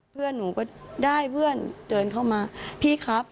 เพื่อนหนูก็ได้เพื่อนเดินเข้ามาพี่ครับ